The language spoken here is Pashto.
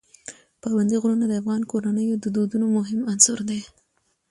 پابندي غرونه د افغان کورنیو د دودونو مهم عنصر دی.